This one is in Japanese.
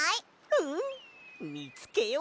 うんみつけよう。